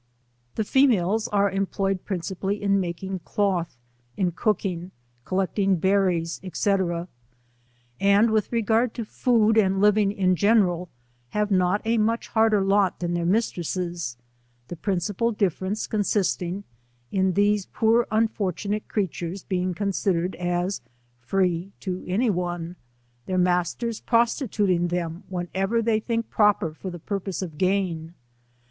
The females are employed principally in manufacturing cloth, in cooking, collecting berries, &c. and with regard to food and living in general have not a much harder lot thaa their mistresses, the principal difference consisting, in these poor unfortunate creatures being considered as free to any one, their masters prostituting them vrheneverlhey think proper for the purpose of gain.